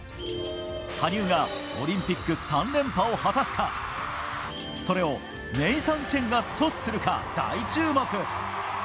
羽生がオリンピック３連覇を果たすかそれをネイサン・チェンが阻止するか大注目。